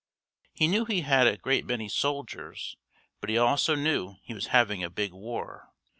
He knew he had a great many soldiers but he also knew he was having a big war.